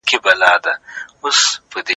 کمپيوټر د هوايي ډګر مرسته کوي.